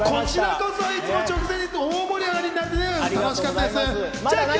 こちらこそいつも直前、大盛り上がりになってうれしかったです。